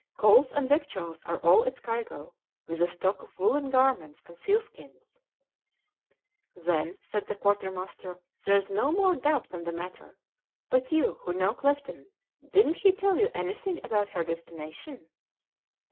Coals and victuals are all its cargo, with a stock of woollen garments and sealskins." "Then," said the quartermaster, "there is no more doubt on the matter; but you, who know Clifton, didn't he tell you anything about her destination?"